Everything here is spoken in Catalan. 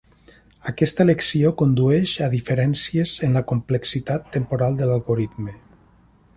Aquesta elecció condueix a diferències en la complexitat temporal de l'algoritme.